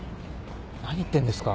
何言ってんですか。